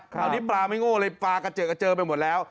คราวนี้ปลาไม่โง่เลยปลากระเจิงกระเจิงไปหมดแล้ว